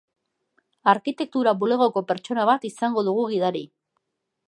Arkitektura bulegoko pertsona bat izango dugu gidari.